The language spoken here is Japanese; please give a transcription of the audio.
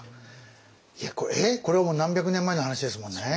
いやえっこれもう何百年前の話ですもんね。